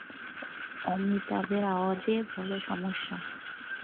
অমিতাভের আওয়াজে বলো সমস্যা।